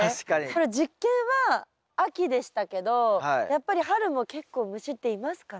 これ実験は秋でしたけどやっぱり春も結構虫っていますかね？